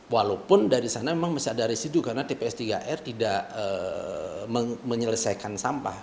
walaupun dari sana memang masih ada residu karena tps tiga r tidak menyelesaikan sampah